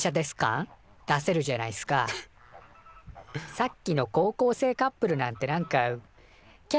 さっきの高校生カップルなんてなんか「きゃ